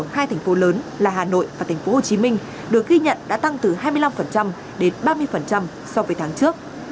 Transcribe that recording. hai thành phố lớn là hà nội và tp hcm được ghi nhận đã tăng từ hai mươi năm đến ba mươi so với tháng trước